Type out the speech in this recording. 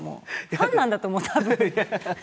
ファンなんだと思う多分。